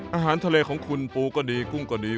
อาหารทะเลของคุณปูก็ดีกุ้งก็ดี